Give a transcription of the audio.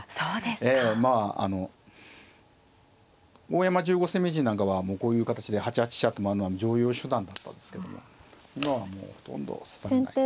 大山十五世名人なんかはこういう形で８八飛車と回るのは常用手段だったんですけども今はもうほとんど指されない。